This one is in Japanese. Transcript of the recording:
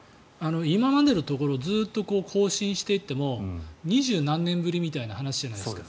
今までのところずっと更新していても２０何年ぶりみたいな話じゃないですか。